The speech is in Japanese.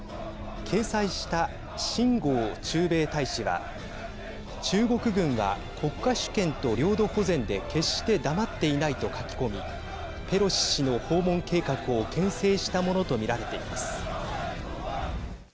掲載した秦剛駐米大使は中国軍は国家主権と領土保全で決して黙っていないと書き込みペロシ氏の訪問計画をけん制したものと見られています。